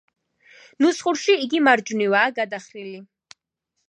ნუსხურში იგი მარჯვნივაა გადახრილი.